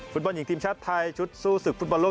ฟุตบอลหญิงทีมชาติไทยชุดสู้ศึกฟุตบอลโล